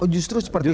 justru seperti itu ya